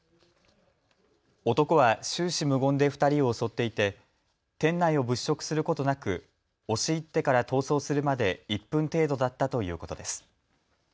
男は終始無言で２人を襲っていて店内を物色することなく押し入ってから逃走するまで１分程度だったということです。